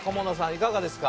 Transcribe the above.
いかがですか？